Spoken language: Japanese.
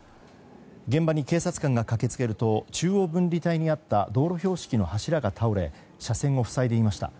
現場に警察官が駆け付けると中央分離帯にあった道路標識の柱が倒れ車線を塞いでいました。